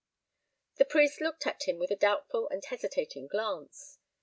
The priest looked at him with a doubtful and hesitating glance.